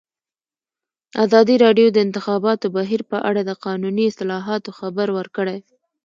ازادي راډیو د د انتخاباتو بهیر په اړه د قانوني اصلاحاتو خبر ورکړی.